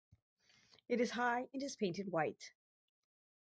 It is high and is painted white.